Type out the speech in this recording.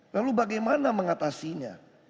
lalu bagaimana mengatasinya